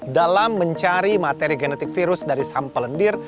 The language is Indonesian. dalam mencari materi genetik virus dari sampel lendir